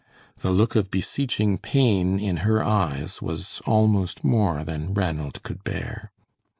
The look of beseeching pain in her eyes was almost more than Ranald could bear.